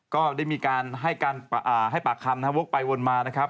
ก็ได้มีการให้ปากคำวกไปวนมา